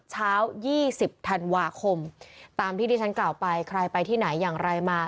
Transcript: เช้า๒๐ธันวาคมตามที่ที่ฉันกล่าวไปใครไปที่ไหนอย่างไรมา